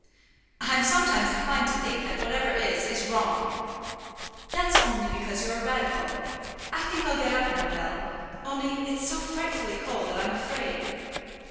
"I'm sometimes inclined to think, that whatever is, is wrong." "That's because you're a radical. I think I'll get up now, Bell; only it's so frightfully cold that I'm afraid."